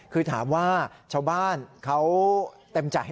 คือถามว่าชาวบ้านเขาเต็มใจ